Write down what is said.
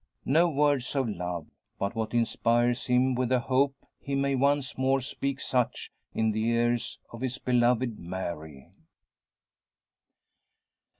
No words of love, but what inspires him with a hope he may once more speak such in the ears of his beloved Mary!